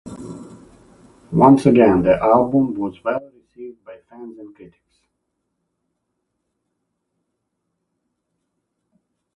Once again, the album was well received by fans and critics.